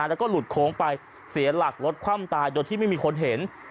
แล้วก็หลุดโค้งไปเสียหลักรถคว่ำตายโดยที่ไม่มีคนเห็น